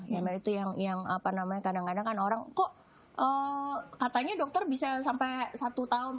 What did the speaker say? ya mbak itu yang apa namanya kadang kadang kan orang kok katanya dokter bisa sampai satu tahun